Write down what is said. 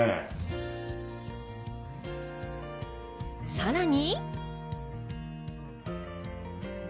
さらに。